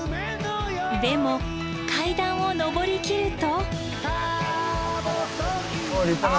でも階段を上りきると。